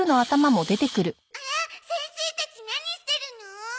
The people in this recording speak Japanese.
あら先生たち何してるの？